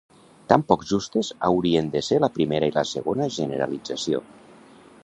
Tan poc justes haurien de ser la primera i la segona generalització.